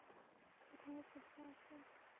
ওখানে ছিদ্র আছে?